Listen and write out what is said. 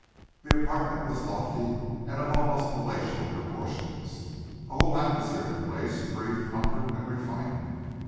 The apartment was lofty and of almost palatial proportions. The whole atmosphere of the place breathed comfort and refinement.